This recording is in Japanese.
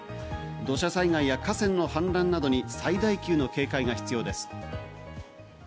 土砂災害や河川の氾濫などに最大級の警戒が必要です。